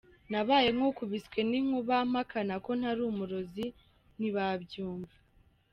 Nabaye nk’ukubiswe n’inkuba, mpakana ko ntari umurozi ntibabyumva.